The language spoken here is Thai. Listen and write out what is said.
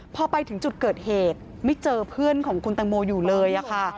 พอไปถึงจุดเกิดเหตุไม่เจอเพื่อนของคุณตังโมอยู่เลยค่ะ